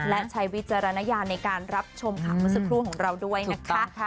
และใช้วิจารณญาในการรับชมคำสุดพูดของเราด้วยนะคะ